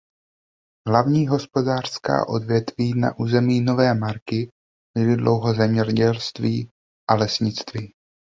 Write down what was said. Hlavní hospodářská odvětví na území Nové marky byly dlouho zemědělství a lesnictví.